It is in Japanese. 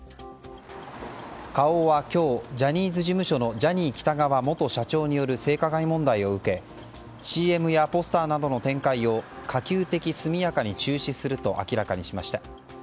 花王は今日、ジャニーズ事務所のジャニー喜多川元社長による性加害問題を受けＣＭやポスターなどの展開を可及的速やかに中止すると明らかにしました。